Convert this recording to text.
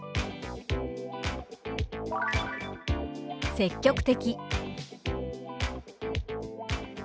「積極的」。